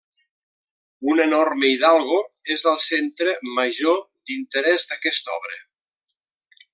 Un enorme Hidalgo és el centre major d'interès d'aquesta obra.